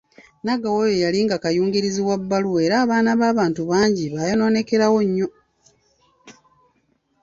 Nagawa oyo yalinga kayungirizi wa bbaluwa era abaana ba bantu bangi baayonoonekerawo nnyo.